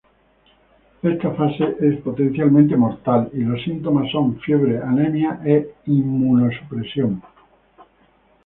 Esta fase es potencialmente mortal y los síntomas son fiebre, anemia e inmunosupresión.